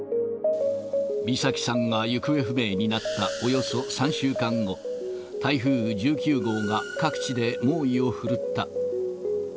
美咲さんが行方不明になったおよそ３週間後、台風１９号が各地で猛威を振るった。